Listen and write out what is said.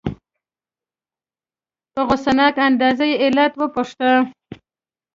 په غصناک انداز یې علت وپوښته.